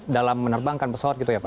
dalam menerbangkan pesawat gitu ya pak